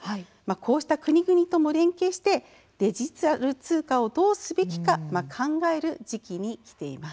こうした国々とも連携してデジタル通貨をどうするべきか考える時期にきています。